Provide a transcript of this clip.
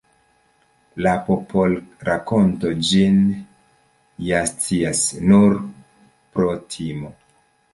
La popol-rakonto ĝin ja scias: nur pro timo.